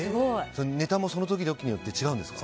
ネタもその時々によって違うんですか？